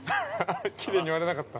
◆きれいに割れなかった。